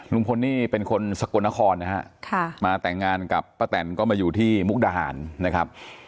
ลุงพลนี่เป็นคนสกลนครนะฮะมาแต่งงานกับป้าแตนก็มาอยู่ที่มุกดาหารนะครับ